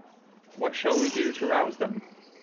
What shall we do to rouse them?